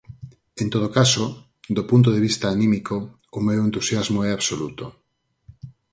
En todo caso, do punto de vista anímico, o meu entusiasmo é absoluto.